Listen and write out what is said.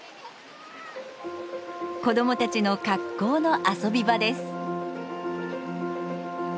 子どもたちの格好の遊び場です。